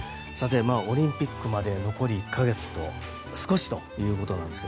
オリンピックまで残り１か月と少しということなんですが。